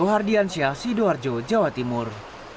harjo jawa timur